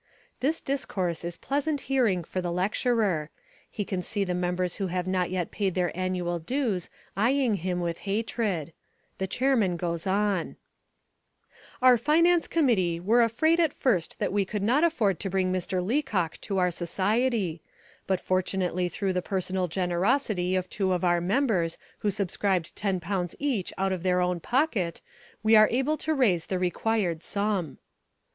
This discourse is pleasant hearing for the lecturer. He can see the members who have not yet paid their annual dues eyeing him with hatred. The chairman goes on: "Our finance committee were afraid at first that we could not afford to bring Mr. Leacock to our society. But fortunately through the personal generosity of two of our members who subscribed ten pounds each out of their own pocket we are able to raise the required sum."